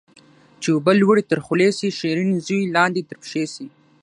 چي اوبه لوړي تر خولې سي ، شيرين زوى لاندي تر پښي سي